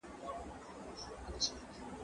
دا ځواب له هغه روښانه دی!.